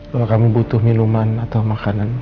kalau kamu butuh minuman atau makanan